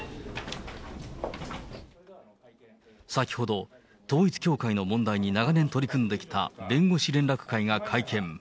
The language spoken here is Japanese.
先ほど、統一教会の問題に長年取り組んできた弁護士連絡会が会見。